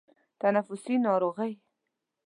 تنفسي ناروغۍ